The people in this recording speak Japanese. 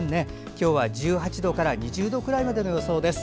今日は１８度から２０度ぐらいまでの予想です。